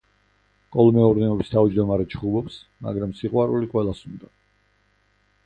კოლმეურნეობის თავმჯდომარე ჩხუბობს, მაგრამ სიყვარული ყველას უნდა.